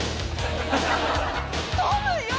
トムよ！